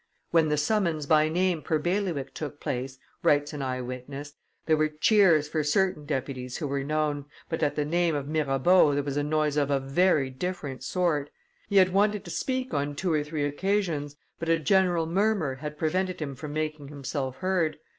"When the summons by name per bailiwick took place," writes an eye witness, "there were cheers for certain deputies who were known, but at the name of Mirabeau there was a noise of a very different sort. He had wanted to speak on two or three occasions, but a general murmur had prevented him from making himself heard.